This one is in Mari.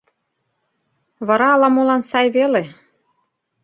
Вара ала-молан сай веле...